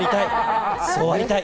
そうありたい。